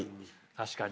確かに。